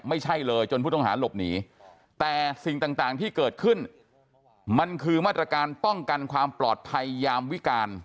ไม่ใช่เลยจนผู้ต้องหาหลบหนีแต่สิ่งต่างที่เกิดขึ้นมันคือมาตรการป้องกันความปลอดภัยยามวิการ